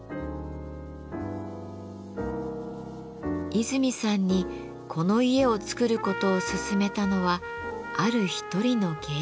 和泉さんにこの家を造ることを勧めたのはある一人の芸術家でした。